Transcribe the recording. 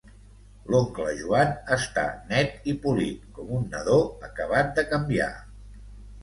L'oncle Joan està net i polit com un nadó acabat de canviar.